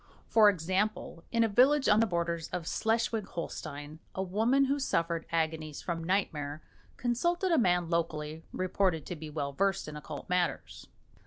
For example, in a village on the borders of Schleswig Holstein, a woman who suffered agonies from nightmare consulted a man locally reported to be well versed in occult matters.